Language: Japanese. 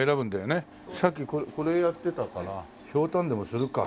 さっきこれやってたからひょうたんでもするか。